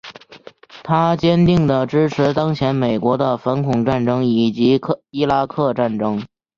他坚定的支持当前美国的反恐战争以及伊拉克战争。